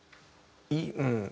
うん。